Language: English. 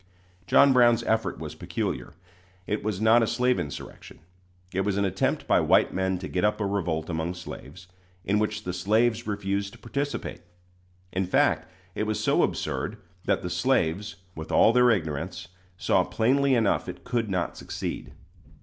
John Brown's effort was peculiar. It was not a slave insurrection. It was an attempt by white men to get up a revolt among slaves, in which the slaves refused to participate. In fact, it was so absurd that the slaves, with all their ignorance, saw plainly enough it could not succeed.